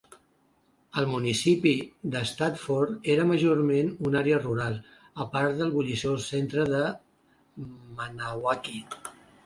El municipi de Stafford era majorment una àrea rural, a part del bulliciós centre de Manahawkin.